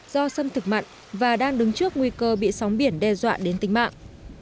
do xâm thực mặn và đang đứng trước nguy cơ bị sóng biển đe dọa đến tính mạng